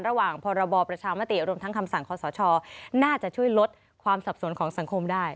พรบประชามติรวมทั้งคำสั่งคอสชน่าจะช่วยลดความสับสนของสังคมได้